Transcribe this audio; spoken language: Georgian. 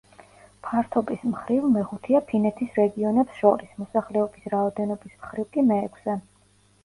ფართობის მხრივ, მეხუთეა ფინეთის რეგიონებს შორის, მოსახლეობის რაოდენობის მხრივ კი მეექვსე.